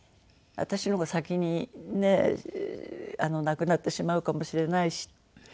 私の方が先にね亡くなってしまうかもしれないし。